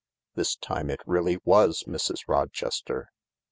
This time it really was Mrs. Rochester.